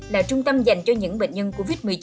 là trung tâm dành cho những bệnh nhân covid một mươi chín